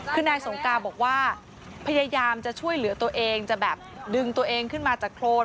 คือนายสงการบอกว่าพยายามจะช่วยเหลือตัวเองจะแบบดึงตัวเองขึ้นมาจากโครน